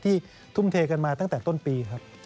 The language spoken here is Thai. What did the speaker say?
ทุ่มเทกันมาตั้งแต่ต้นปีครับ